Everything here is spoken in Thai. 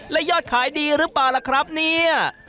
และยอดขายดีหรือเปล่าล่ะครับเนี่ย